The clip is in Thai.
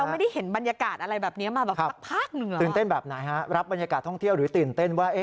เราไม่ได้เห็นบรรยากาศอะไรแบบนี้มาแบบพักหนึ่งหรือเปล่า